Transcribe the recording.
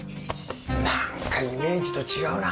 何かイメージと違うな。